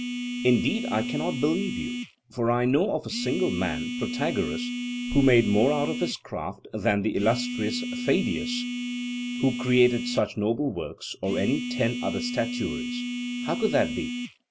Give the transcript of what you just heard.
Indeed, I cannot believe you; for I know of a single man, Protagoras, who made more out of his craft than the illustrious Pheidias, who created such noble works, or any ten other statuaries. How could that be?